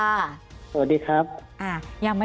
สวัสดีครับ